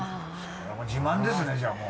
自慢ですねじゃあもう。